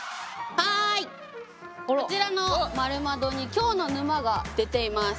こちらの丸窓にきょうの沼が出ています。